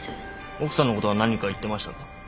奥さんのことは何か言ってましたか？